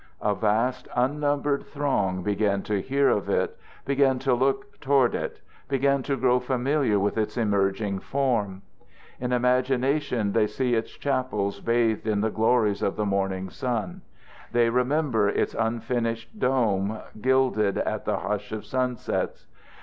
A vast, unnumbered throng begin to hear of it, begin to look toward it, begin to grow familiar with its emerging form. In imagination they see its chapels bathed in the glories of the morning sun; they remember its unfinished dome gilded at the hush of sunsets.